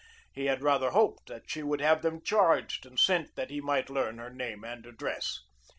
He had rather hoped that she would have them charged and sent, that he might learn her name and address.